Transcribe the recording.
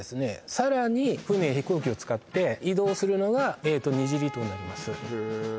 さらに船飛行機を使って移動するのが２次離島になりますへえ